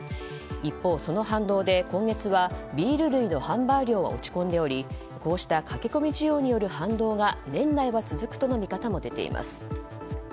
一方、その反動で今月はビール類の販売量が落ち込んでおりこうした駆け込み需要による反動が年内は続くとの見方も出ています。